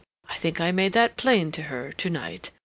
I think I made that plain to her to night.